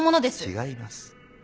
違います。